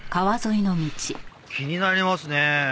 気になりますね。